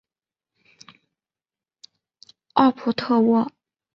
奥普特沃。